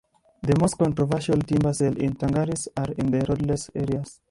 The most controversial timber sales in the Tongass are in the roadless areas.